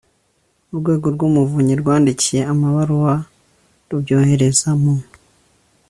urwego rw umuvunyi rwandikiye amabaruwa rubyohereza mu